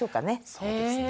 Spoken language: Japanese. そうですね。